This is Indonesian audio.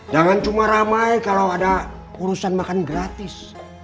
jangan cuma ramai kalau ada urusan makan gratis